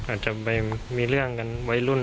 อาจจะมีเรื่องกันไว้รุ่น